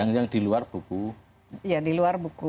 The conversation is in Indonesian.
yang di luar buku